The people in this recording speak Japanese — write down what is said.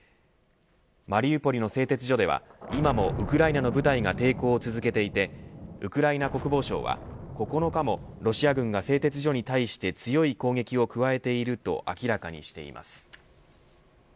マリウポリの製鉄所では今もウクライナの部隊が抵抗を続けていてウクライナ国防省は９日もロシア軍が製鉄所に対して強い攻撃を加えていると明らかにしています。